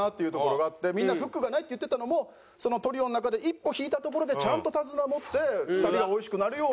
みんな「フックがない」って言ってたのもそのトリオの中で一歩引いたところでちゃんと手綱を持って２人がおいしくなるように。